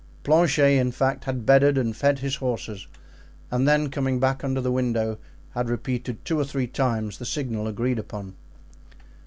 Planchet, in fact, had bedded and fed his horses, and then coming back under the window had repeated two or three times the signal agreed upon.